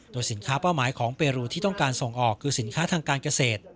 โดยสินค้าเป้าหมายของเปรูที่ต้องการส่งออกคือสินค้าทางการเกษตร